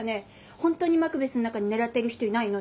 本当にマクベスの中に狙ってる人いないの？